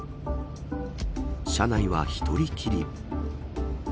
車内は１人きり。